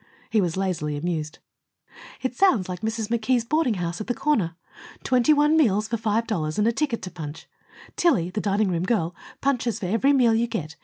He was lazily amused. "It sounds like Mrs. McKee's boarding house at the corner. Twenty one meals for five dollars, and a ticket to punch. Tillie, the dining room girl, punches for every meal you get.